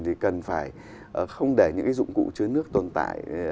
thì cần phải không để những cái dụng cụ chứa nước tồn tại